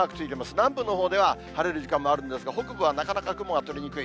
南部のほうでは晴れる時間もあるんですが、北部はなかなか雲が取れにくい。